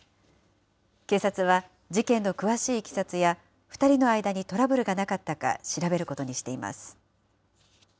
警察は、事件の詳しいいきさつや、２人の間にトラブルがなかったか調べることにしています。